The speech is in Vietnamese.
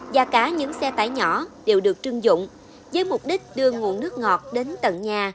và cả những xe tải nhỏ đều được trưng dụng với mục đích đưa nguồn nước ngọt đến tận nhà